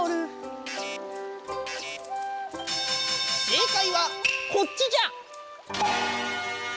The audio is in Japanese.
正解はこっちじゃ！